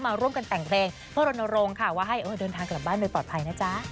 มาร่วมกันแต่งเพลงเพื่อรณรงค์ค่ะว่าให้เดินทางกลับบ้านโดยปลอดภัยนะจ๊ะ